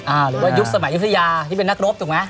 หรือว่ายุคสมัยยุธยาที่เป็นนักรบถูกไหม